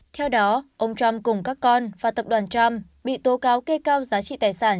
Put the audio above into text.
theo đó ông trump cùng các con và tập đoàn trump bị tố cáo kê cao giá trị tài sản